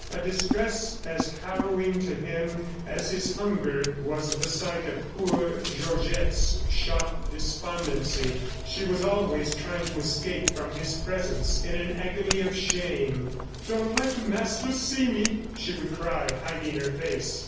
A distress as harrowing to him as his hunger was the sight of poor Georgette's shocked despondency. She was always trying to escape from his presence in an agony of shame. "Don't let the Master see me!" she would cry, hiding her face.